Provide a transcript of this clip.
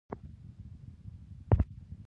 جګړه د ملت روح وژني